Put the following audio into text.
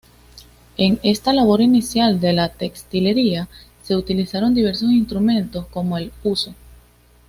En esta labor inicial de la textilería se utilizaron diversos instrumentos como el huso.